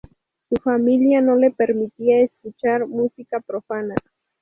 Su familia no le permitía escuchar música profana.